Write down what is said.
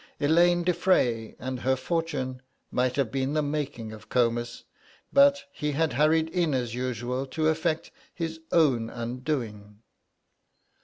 Elaine de Frey and her fortune might have been the making of Comus, but he had hurried in as usual to effect his own undoing.